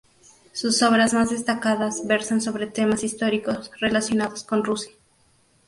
Sus obras más destacadas versan sobre temas históricos relacionados con Rusia.